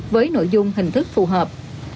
với nội dung hình thức phù hợp